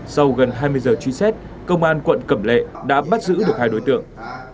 sau gần hai mươi giờ truy xét công an quận cẩm lệ đã bắt giữ được hai đối tượng